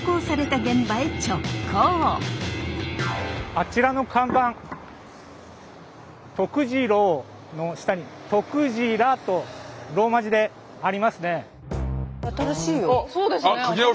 あちらの看板「徳次郎」の下に「Ｔｏｋｕｊｉｒａ」とローマ字でありますね。